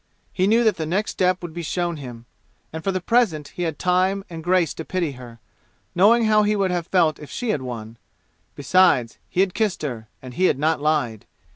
He knew that the next step would be shown him, and for the present he had time and grace to pity her, knowing how he would have felt if she had won. Besides, he had kissed her, and he had not lied.